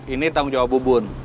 ini tanggung jawab bubun